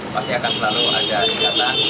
pasti akan selalu ada ikatan